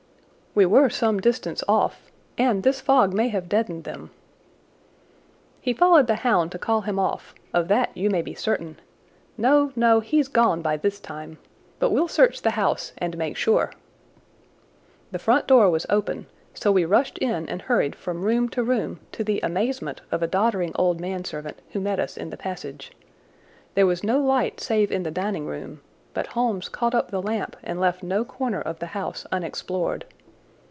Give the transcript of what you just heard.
"We were some distance off, and this fog may have deadened them." "He followed the hound to call him off—of that you may be certain. No, no, he's gone by this time! But we'll search the house and make sure." The front door was open, so we rushed in and hurried from room to room to the amazement of a doddering old manservant, who met us in the passage. There was no light save in the dining room, but Holmes caught up the lamp and left no corner of the house unexplored.